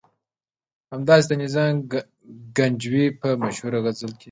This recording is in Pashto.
همداسې د نظامي ګنجوي په مشهور غزل کې.